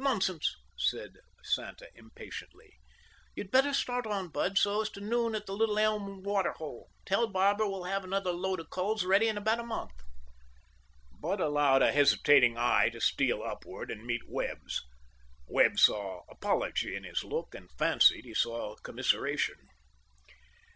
"Nonsense," said Santa impatiently. "You'd better start on, Bud, so as to noon at the Little Elm water hole. Tell Barber we'll have another lot of culls ready in about a month." Bud allowed a hesitating eye to steal upward and meet Webb's. Webb saw apology in his look, and fancied he saw commiseration.